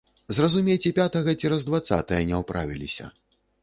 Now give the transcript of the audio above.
Зразумець і пятага цераз дваццатае не ўправіліся.